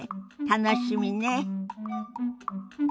楽しみね。